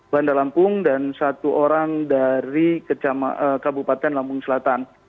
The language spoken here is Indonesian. bandar lampung dan satu orang dari kabupaten lampung selatan